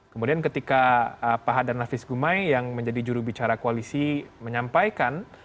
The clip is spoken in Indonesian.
kemudian ketika pak hadar nafis gumai yang menjadi jurubicara koalisi menyampaikan